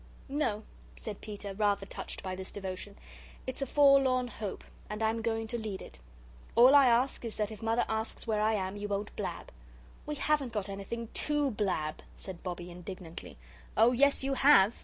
"No," said Peter, rather touched by this devotion; "it's a forlorn hope, and I'm going to lead it. All I ask is that if Mother asks where I am, you won't blab." "We haven't got anything TO blab," said Bobbie, indignantly. "Oh, yes, you have!"